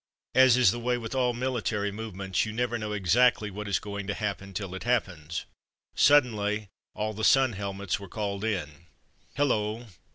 As is the way with all military movements, you never know exactly what is going to happen till it happens. Suddenly all the sun helmets were '"called in.'' Hullo!